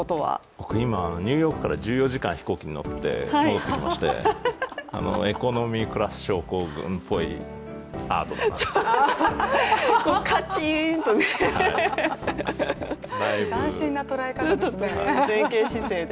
僕、今、ニューヨークから１４時間飛行機に乗って戻ってきまして、エコノミークラス症候群っぽいアートだなと。斬新な捉え方ですね。